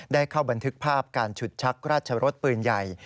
ได้เข้าบันทึกภาพการฉุดชักราชรสปืนใหญ่